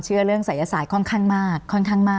คุณจอมขอบพระคุณครับ